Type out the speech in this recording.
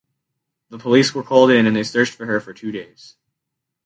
The police were called in and they searched for her for two days.